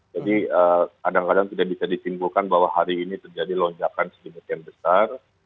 jadi kadang kadang tidak bisa disimpulkan bahwa hari ini terjadi lonjakan sedikit yang besar